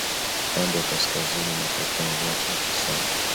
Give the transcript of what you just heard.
Upande wa kaskazini unapokea mvua chache sana